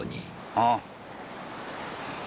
ああ。